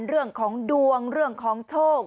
เรื่องของดวงเรื่องของโชค